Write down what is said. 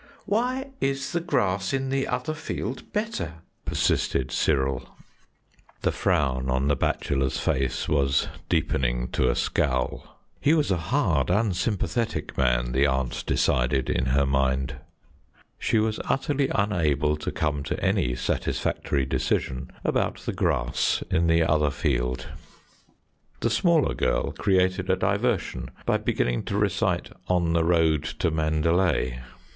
"Why is the grass in the other field better?" persisted Cyril. The frown on the bachelor's face was deepening to a scowl. He was a hard, unsympathetic man, the aunt decided in her mind. She was utterly unable to come to any satisfactory decision about the grass in the other field. The smaller girl created a diversion by beginning to recite "On the Road to Mandalay."